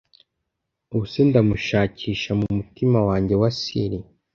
Ubuse ndamushakisha mumutima wanjye wa sili